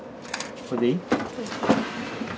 これでいい？